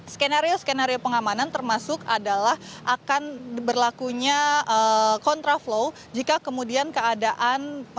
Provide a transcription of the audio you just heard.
skenario skenario pengamanan termasuk adalah akan berlakunya kontraflow jika kemudian keadaan